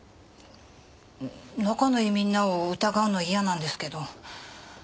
仲のいいみんなを疑うの嫌なんですけど。